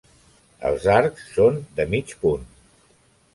Els arcs són de mig punt.